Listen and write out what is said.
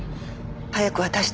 早く渡して。